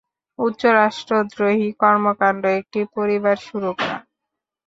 উচ্চ রাষ্ট্রদ্রোহী কর্মকান্ড একটি পরিবার শুরু করা?